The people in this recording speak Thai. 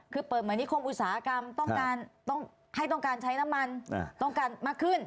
คือเปิดเหมือนนิคมอุตสาหกรรมต้องการให้ต้องการใช้น้ำมันต้องการมากขึ้น